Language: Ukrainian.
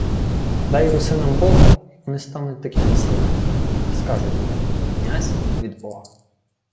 — Дай русинам бога — й вони стануть такими самими. Й скажуть тобі: «Князь — від бога».